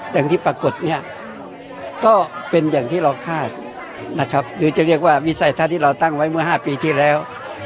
อย่างที่ปรากฏเนี่ยก็เป็นอย่างที่เราคาดนะครับหรือจะเรียกว่าวิสัยทัศน์ที่เราตั้งไว้เมื่อ๕ปีที่แล้ว